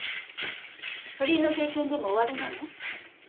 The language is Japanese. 不倫の経験でもおありなの？